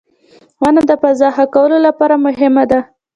• ونه د فضا ښه کولو لپاره مهمه ده.